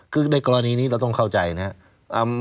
คือในกรณีนี้เราต้องเข้าใจนะครับ